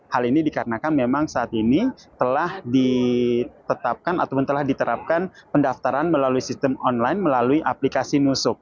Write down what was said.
hal ini dikarenakan memang saat ini telah ditetapkan ataupun telah diterapkan pendaftaran melalui sistem online melalui aplikasi nusuk